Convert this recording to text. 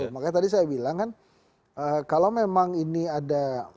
makanya tadi saya bilang kan kalau memang ini ada